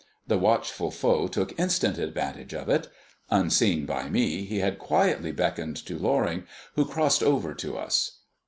The watchful foe took instant advantage of it. Unseen by me, he had quietly beckoned to Loring, who crossed over to us.